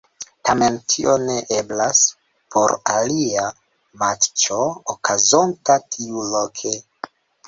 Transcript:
Tamen tio ne eblas pro alia matĉo okazonta tiuloke.